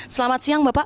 selamat siang bapak